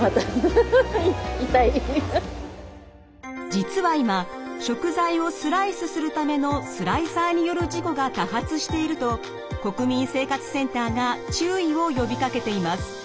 実は今食材をスライスするためのスライサーによる事故が多発していると国民生活センターが注意を呼びかけています。